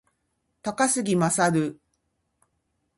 高杉真宙